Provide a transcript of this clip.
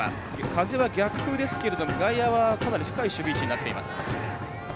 風は逆風ですけど外野は、かなり深い守備位置になっています。